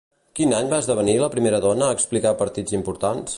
Quin any va esdevenir la primera dona a explicar partits importants?